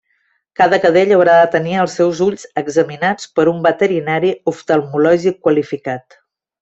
Cada cadell haurà de tenir els seus ulls examinats per un veterinari oftalmològic qualificat.